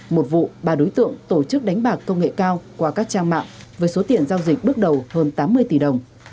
một vụ ba đối tượng tổ chức đánh bạc công nghệ cao qua các trang mạng với số tiền giao dịch bước đầu hơn tám mươi tỷ đồng